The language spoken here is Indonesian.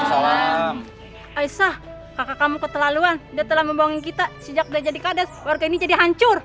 aisyah kakak kamu keterlaluan dia telah membuang kita sejak udah jadi kades warga ini jadi hancur